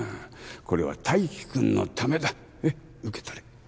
これは泰生君のためだねっ受け取れ。